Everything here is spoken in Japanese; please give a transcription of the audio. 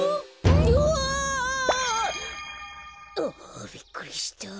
どわ！あびっくりした。